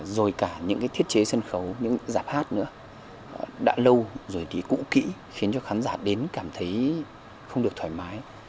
rồi cả những thiết chế sân khấu những giảp hát nữa đã lâu rồi thì cũ kỹ khiến cho khán giả đến cảm thấy không được thoải mái